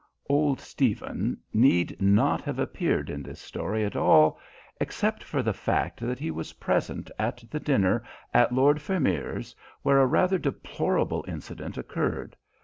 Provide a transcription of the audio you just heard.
Old Stephen need not have appeared in this story at all, except for the fact that he was present at the dinner at Lord Vermeer's, where a rather deplorable incident occurred.